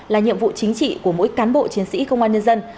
là nhiệm vụ chính trị của mỗi cán bộ chiến sĩ công an nhân dân